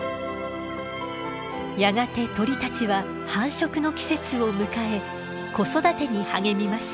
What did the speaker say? やがて鳥たちは繁殖の季節を迎え子育てに励みます。